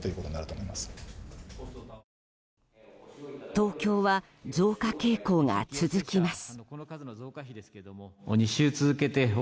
東京は増加傾向が続きます。